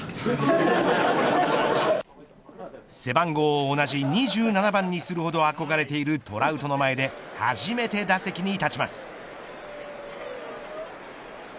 背番号を同じ２７番にするほど憧れているトラウトの前で初めて打席に立ちます。